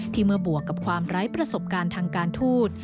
เมื่อบวกกับความไร้ประสบการณ์ทางการทูต